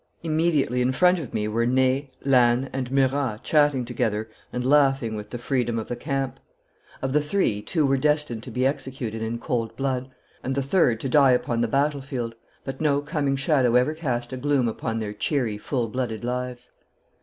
Immediately in front of me were Ney, Lannes, and Murat chatting together and laughing with the freedom of the camp. Of the three, two were destined to be executed in cold blood, and the third to die upon the battle field, but no coming shadow ever cast a gloom upon their cheery, full blooded lives.